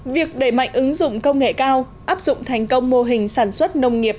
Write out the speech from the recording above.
việc đẩy mạnh ứng dụng công nghệ cao áp dụng thành công mô hình sản xuất nông nghiệp